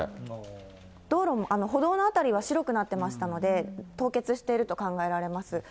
道路も、歩道の辺りは白くなってましたので、凍結していると考えられます。